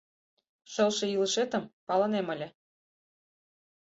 — Шылше илышетым палынем ыле.